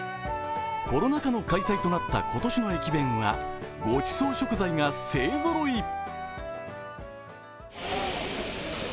コロナ禍の開催となった今年の駅弁はごちそう食材が勢ぞろい。